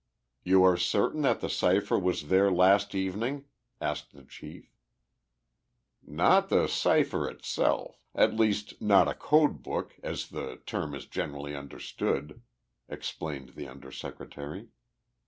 "You are certain that the cipher was there last evening?" asked the chief. "Not the cipher itself at least not a code book as the term is generally understood," explained the Under Secretary.